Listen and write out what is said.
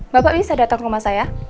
bapak bisa datang ke rumah saya